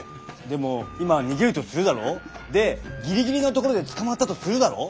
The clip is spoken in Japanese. でも今逃げるとするだろう？でギリギリのところで捕まったとするだろう？